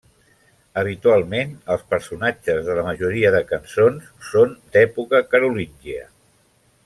Habitualment, els personatges de la majoria de cançons són d'època carolíngia.